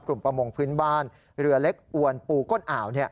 ประมงพื้นบ้านเรือเล็กอวนปูก้นอ่าว